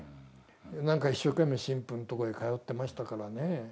なんか一生懸命神父のとこへ通ってましたからね。